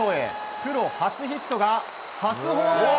プロ初ヒットが初ホームラン！